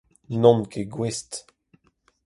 N'on ket gouest.